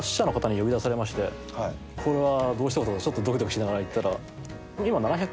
これはどうしたことかとちょっとドキドキしながら行ったら。